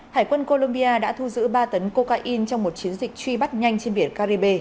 hải quân colombia đã thu giữ ba tấn cocaine trong một chiến dịch truy bắt nhanh trên biển caribe